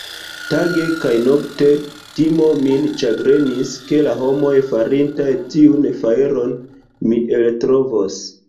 Tage kaj nokte timo min ĉagrenis, ke la homoj, farintaj tiun fajron, mi eltrovos.